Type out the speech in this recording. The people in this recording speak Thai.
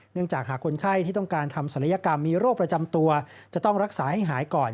จากหากคนไข้ที่ต้องการทำศัลยกรรมมีโรคประจำตัวจะต้องรักษาให้หายก่อน